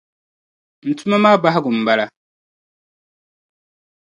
N tuma maa bahigu m-bala.